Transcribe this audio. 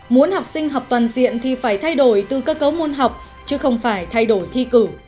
muốn học sinh học toàn diện thì phải thay đổi từ cơ cấu môn học chứ không phải thay đổi thi cử